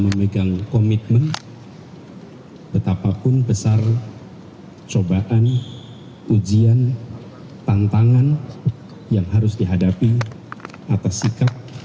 memegang komitmen betapapun besar cobaan ujian tantangan yang harus dihadapi atas sikap